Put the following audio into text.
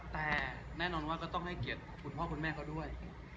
แต่หน้านว่าก็ต้องเห็นเกียรติพ่อคุณแม่ด้วย